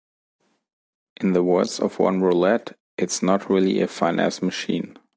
In the words of one Roulette, "it's not really a finesse machine".